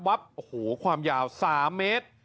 โอ้โหความยาว๓เมตร